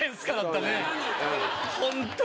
ホントに。